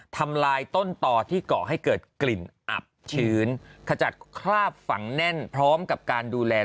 ทำลายต้นต่อที่ก่อให้เกิดกลิ่นอับชื้นขจัดคราบฝังแน่นพร้อมกับการดูแล